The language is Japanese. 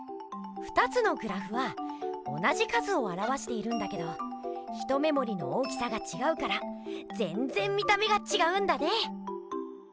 ２つのグラフは同じ数をあらわしているんだけど一目もりの大きさがちがうからぜんぜん見た目がちがうんだね！